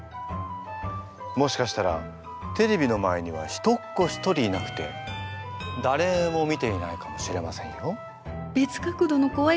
もしかしたらテレビの前には人っ子一人いなくてだれも見ていないかもしれませんよ。